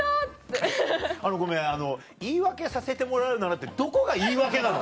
あのごめん「言い訳させてもらうなら」ってどこが言い訳なの？